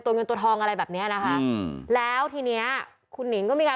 เงินตัวทองอะไรแบบเนี้ยนะคะอืมแล้วทีเนี้ยคุณหนิงก็มีการ